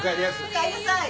おかえりなさい。